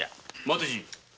待てじい！